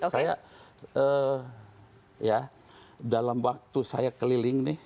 saya ya dalam waktu saya keliling nih